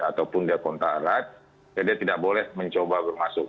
apapun dia kontarat dia tidak boleh mencoba bermasuk